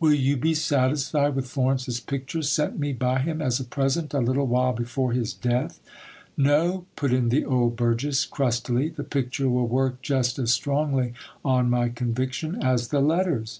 Will you be satisfied with Florence's ^picture sent me by him as a present a little while before his death ? No, put in the old burgess crustily ; the picture will work just as strongly on my conviction as the letters.